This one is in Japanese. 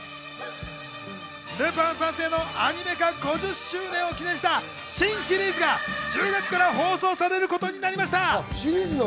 『ルパン三世』のアニメ化５０周年を記念した新シリーズが１０月から放送されることになりました。